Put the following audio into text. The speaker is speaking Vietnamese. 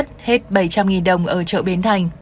hết bảy trăm linh đồng ở chợ bến thành